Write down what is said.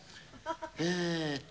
えっと。